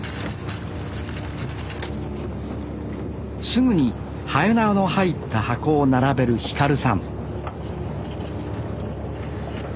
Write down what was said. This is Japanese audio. すぐにはえなわの入った箱を並べる輝さん